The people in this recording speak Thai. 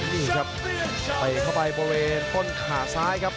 นี่ครับเตะเข้าไปบริเวณต้นขาซ้ายครับ